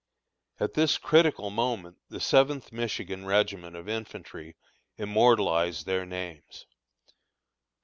At this critical moment the Seventh Michigan regiment of infantry immortalized their names.